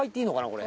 これ。